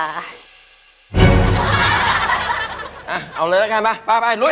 เอาเลยละกันไปรุ่ย